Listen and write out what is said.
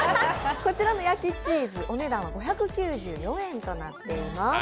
こちらの焼チーズお値段は５９４円となっています。